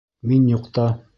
Мин юҡта.